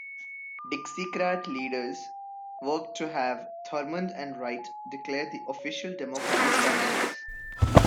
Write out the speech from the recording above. Dixiecrat leaders worked to have Thurmond and Wright declared the official Democratic candidates.